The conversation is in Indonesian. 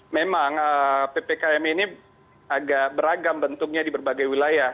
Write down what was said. memang ppkm ini agak beragam bentuknya di berbagai wilayah